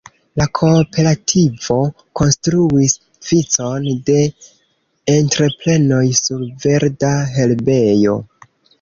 La kooperativo konstruis vicon de entreprenoj "sur verda herbejo".